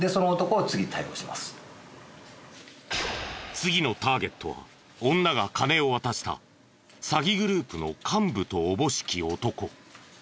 次のターゲットは女が金を渡した詐欺グループの幹部とおぼしき男。